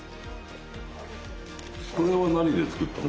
これは何で作ったの？